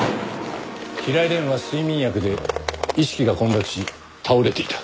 平井蓮は睡眠薬で意識が混濁し倒れていた。